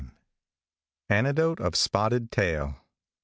ANECDOTE OF SPOTTED TAIL.